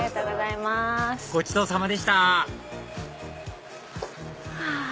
ごちそうさまでしたはぁ！